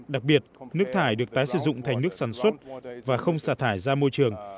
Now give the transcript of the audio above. đặc biệt nước thải được tái sử dụng thành nước sản xuất và không xả thải ra môi trường